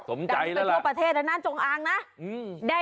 สมใจแล้วดังไปทั่วประเทศแล้วนั้นจงอ้างนะ